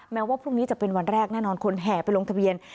แม้ว่าพรุ่งนี้จะเป็นวันแรกแน่นอนคนแห่ไปลงทะเบียน